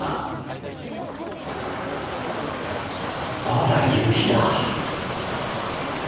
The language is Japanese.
まだ雪だ。